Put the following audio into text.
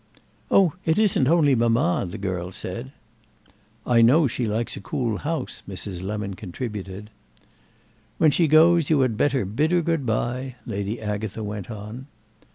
"Oh it isn't only mamma," the girl said. "I know she likes a cool house," Mrs. Lemon contributed. "When she goes you had better bid her good bye," Lady Agatha went on.